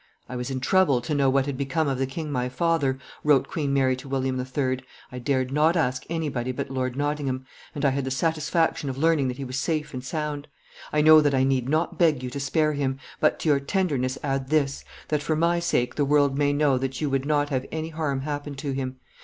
"I was in trouble to know what had become of the king my father," wrote Queen Mary to William III.; "I dared not ask anybody but Lord Nottingham, and I had the satisfaction of learning that he was safe and sound. I know that I need not beg you to spare him, but to your tenderness add this, that for my sake the world may know that you would not have any harm happen to him.